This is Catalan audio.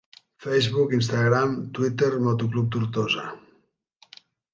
Facebook, Instagram, Twitter Moto Club Tortosa.